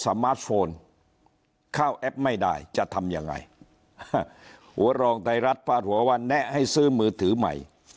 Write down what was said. มาร์ทโฟนเข้าแอปไม่ได้จะทำยังไงหัวรองไทยรัฐพาดหัวว่าแนะให้ซื้อมือถือใหม่